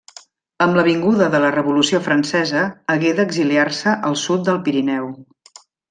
Amb la vinguda de la Revolució francesa, hagué d'exiliar-se al sud del Pirineu.